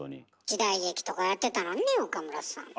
時代劇とかやってたのにね岡村さん。